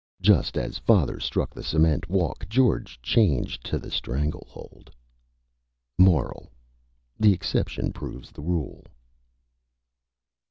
Just as Father struck the Cement Walk George changed to the Strangle Hold. MORAL: _The Exception proves the Rule.